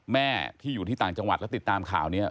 แม่ที่อยู่ที่ต่างจังหวัดแล้วติดตามข่าวนี้